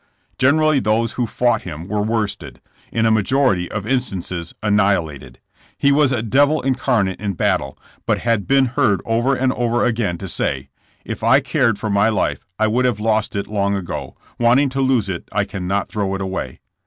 Generally those who fought him were worsted; in a majority of instances annihilated. He was a devil incarnate in battle, but had been heard over and over again to say: *If I cared for my life I would have lost it long ago ; wanting to lose it I cannot throw it away.